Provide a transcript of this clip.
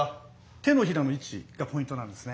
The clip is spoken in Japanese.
手のひらの位置がポイントなんですね。